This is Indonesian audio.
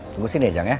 tunggu sini aja ya